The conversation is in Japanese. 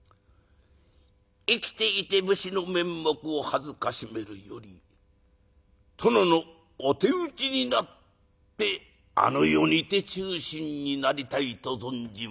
生きていて武士の面目を辱めるより殿のお手討ちになってあの世にて忠臣になりたいと存じまする。